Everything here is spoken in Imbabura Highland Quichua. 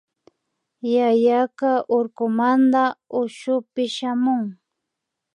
Yayaka urkumanta ushupi shamun